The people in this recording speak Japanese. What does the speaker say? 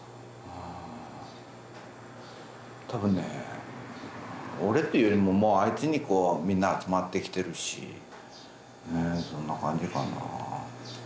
多分ね俺っていうよりもあいつにみんな集まってきてるしそんな感じかな。